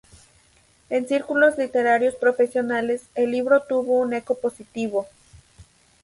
En círculos literarios profesionales, el libro tuvo un eco positivo.